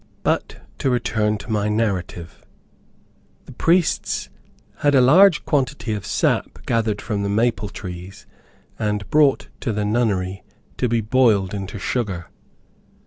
But to return to my narrative. The priests had a large quantity of sap gathered from the maple trees, and brought to the nunnery to be boiled into sugar.